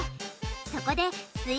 そこです